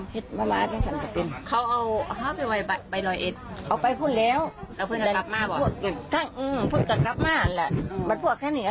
เห็นมีพวกเราทัดบ่ะเห็นมีพวกเราทัดบ่ะข้าวขึ้นอุ้ย